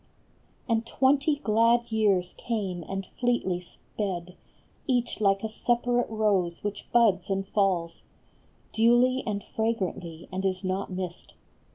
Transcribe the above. And twenty glad years came and fleetly sped. Each like a separate rose which buds and falls Duly and fragrantly and is not missed.